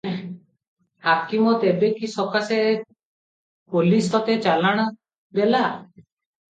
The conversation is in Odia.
ହାକିମ - ତେବେ କି ସକାଶେ ପୋଲିଶ ତତେ ଚାଲାଣ ଦେଲା?